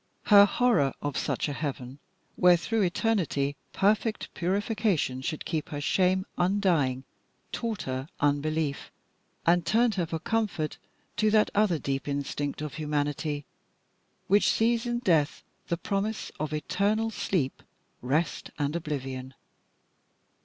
Her horror of such a heaven, where through eternity perfect purification should keep her shame undying, taught her unbelief, and turned her for comfort to that other deep instinct of humanity, which sees in death the promise of eternal sleep, rest, and oblivion.